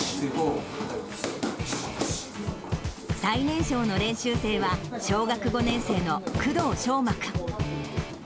最年少の練習生は、小学５年生の工藤聖真君。